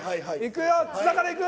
津田から行く？